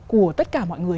của tất cả mọi người